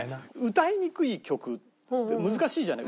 歌いにくい曲難しいじゃない。